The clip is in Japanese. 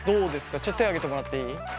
ちょっと手を挙げてもらっていい？